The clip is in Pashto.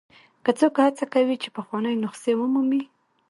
که څوک هڅه کوي چې پخوانۍ نسخې ومومي.